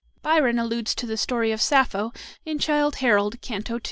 Byron alludes to the story of Sappho in "Childe Harold," Canto II.